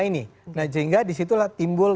nah sehingga disitulah timbul